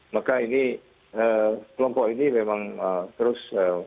maka ini kelompok ini memang terus